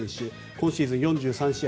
今シーズン４３試合